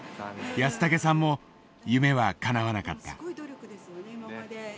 安竹さんも夢はかなわなかった。